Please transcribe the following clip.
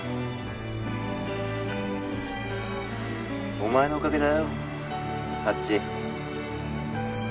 お前のおかげだよハッチ。